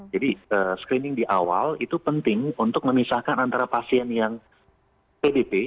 jadi screening di awal itu penting untuk memisahkan antara pasien yang pdp